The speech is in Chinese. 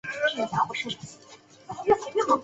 本区域是当时人主要的居住区域。